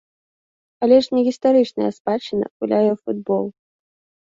Але ж не гістарычная спадчына гуляе ў футбол.